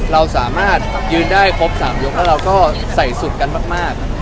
เราสามารถยืนได้ครบ๓ยกแล้วเราก็ใส่สุดกันมาก